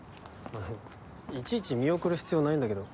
いちいち見送る必要ないんだけど。